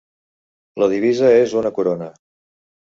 La divisa és una corona.